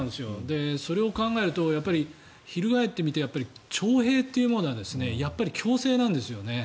それを考えると翻ってみて徴兵っていうものは強制なんですよね。